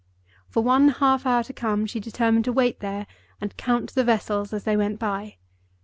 For one half hour to come she determined to wait there and count the vessels as they went by.